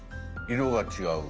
色が違う。